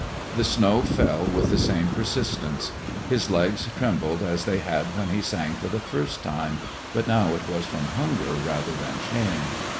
The snow fell with the same persistence. His legs trembled as they had when he sang for the first time, but now it was from hunger rather than shame.